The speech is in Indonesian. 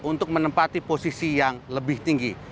untuk menempati posisi yang lebih tinggi